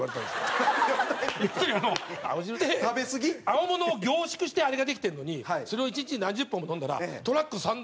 青物を凝縮してあれができてるのにそれを一日に何十本も飲んだら。